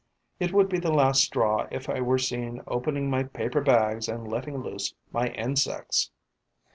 It would be the last straw if I were seen opening my paper bags and letting loose my insects!